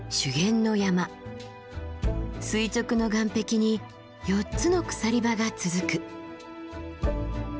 垂直の岩壁に４つの鎖場が続く。